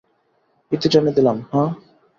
ইতি টেনে দিলাম, হাহ?